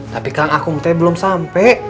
tapi kang akung teh belum sampai